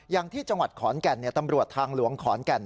อย่างที่จังหวัดขอนแก่นตำรวจทางหลวงขอนแก่น